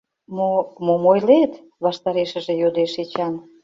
— Мо, мом ойлет? — ваштарешыже йодеш Эчан.